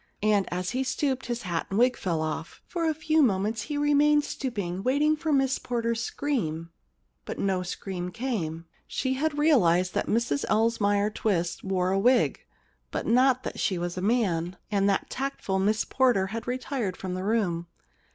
And as he stooped his hat and wig fell off. For a few awful moments he remained stoop ing, waiting for Miss Porter*s scream. But no scream came. She had reaHsed that Mrs Elsmere Twiss wore a wig, but not that she 37 The Problem Club was a man. And the tactful Miss Porter had retired from the room.